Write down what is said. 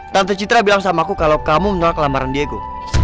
tante citra bilang sama aku kalau kamu menolak kelamaran diego